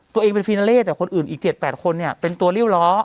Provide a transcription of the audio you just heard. ตัวเองเป็นแต่คนอื่นอีกเจ็ดแปดคนเนี้ยเป็นตัวริ้วล้อ